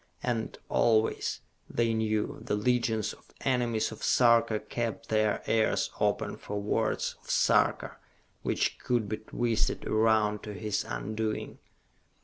And always, they knew, the legions of enemies of Sarka kept their ears open for words of Sarka which could be twisted around to his undoing.